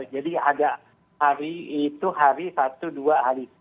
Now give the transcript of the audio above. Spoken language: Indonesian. jadi ada hari itu hari satu dua hari